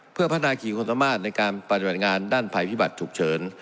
เพื่อพัฒนาขี่ความสามารถในการปฏิบัติงานด้านภัยพิบัติฉุกเฉิน